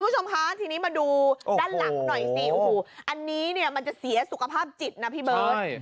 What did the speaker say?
คุณผู้ชมคะทีนี้มาดูด้านหลังหน่อยสิโอ้โหอันนี้เนี่ยมันจะเสียสุขภาพจิตนะพี่เบิร์ต